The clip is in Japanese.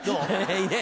いいね。